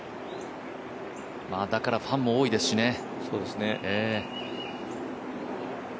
だからファンも多いですしね。